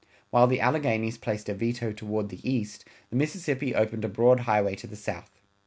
While the Alleghanies placed a veto toward the east, the Mississippi opened a broad highway to the south.